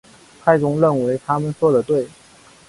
太宗认为他们说得对。